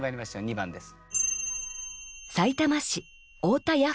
２番です。